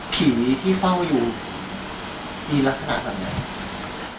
ผีที่เฝ้าอยู่มีลักษณะแบบไหน